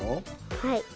はい。